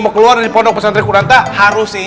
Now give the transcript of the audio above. mau keluar dari pondok pesantren kuranta harus sih